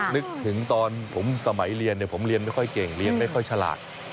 นึกถึงตอนผมสมัยเรียนผมเรียนไม่ค่อยเก่งเรียนไม่ค่อยฉลาด